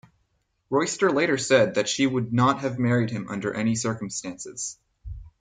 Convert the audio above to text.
Royster later said that she would not "have married him under any circumstances".